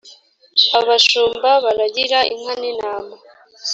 abashumba baragira inka nintama.